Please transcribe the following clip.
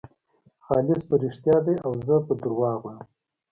خالص په رښتیا دی او زه په درواغو یم.